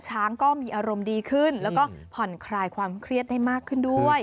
ช้างก็มีอารมณ์ดีขึ้นแล้วก็ผ่อนคลายความเครียดได้มากขึ้นด้วย